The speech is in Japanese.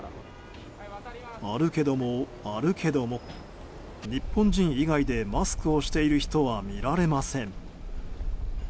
歩けども歩けども日本人以外でマスクをしている人は見られません。